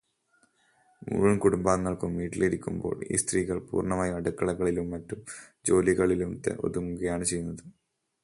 മുഴുവൻ കുടുംബാംഗങ്ങളും വീട്ടിലിരിക്കുമ്പോൾ ഈ സ്ത്രീകൾ പൂർണമായും അടുക്കളകളിലും മറ്റു ജോലികളിലും ഒതുങ്ങുകയാണ് ചെയ്യുന്നത്.